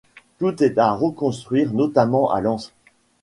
Tout est à reconstruire, notamment à Lens.